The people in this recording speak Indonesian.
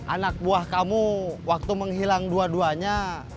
anak buah kamu waktu menghilang dua duanya